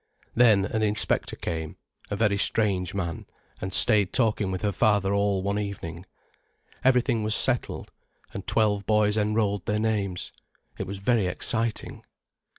Then an inspector came, a very strange man, and stayed talking with her father all one evening. Everything was settled, and twelve boys enrolled their names. It was very exciting.